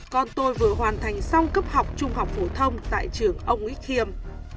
con tôi vừa hoàn thành xong cấp học trung học phổ thông tại trường ông ích khiêm